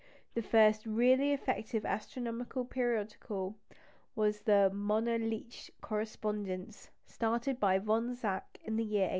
The first really effective astronomical periodical was the Monatliche Correspondenz, started by Von Zach in the year 1800.